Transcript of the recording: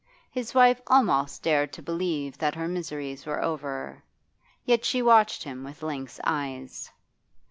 His wife almost dared to believe that her miseries were over. Yet she watched him with lynx eyes.